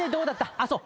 あっそう。